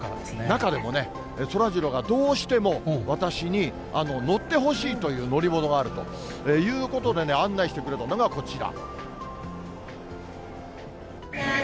中でもね、そらジローがどうしても、私に乗ってほしいという乗り物があるということでね、案内してくれたのがこちら。